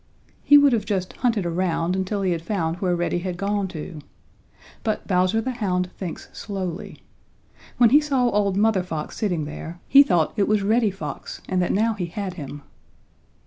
He would have just hunted around until he had found where Reddy had gone to. But Bowser the Hound thinks slowly. When he saw old Mother Fox sitting there, he thought it was Reddy Fox and that now he had him.